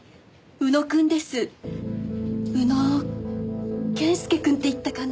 宇野健介くんっていったかな？